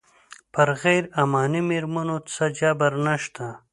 پر غیر عماني مېرمنو څه جبر نه شته.